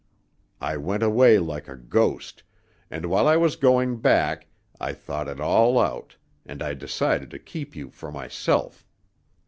I went away like a ghost, and while I was going back, I thought it all out; and I decided to keep you for myself.